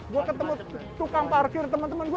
gue ketemu tukang parkir temen temen gue